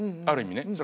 ある意味ね。